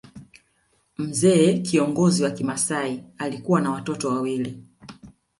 Mzee kiongozi wa kimasai alikuwa na watoto wawili